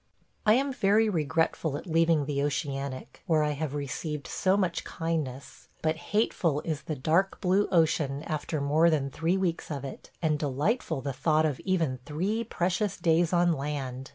I am very regretful at leaving the Oceanic, where I have received so much kindness; but "hateful is the dark blue ocean" after more than three weeks of it, and delightful the thought of even three precious days on land.